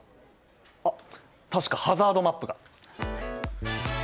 あっ確かハザードマップが。